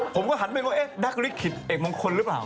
ผมก็หันไปว่าเอ๊ะดักลิขิตเอกมงคลหรือเปล่า